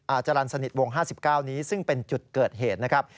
จรรย์สนิทวง๕๙นี้ซึ่งเป็นจุดเกิดเหตุนะครับ